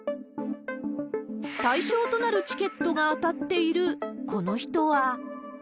対象となるチケットが当たっているこの人は。